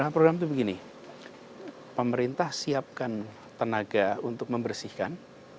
program itu begini pemerintah siapkan tenaga untuk membersihkan